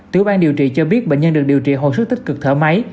tiểu ban điều trị cho biết bệnh nhân được điều trị hồi sức tích cực thở máy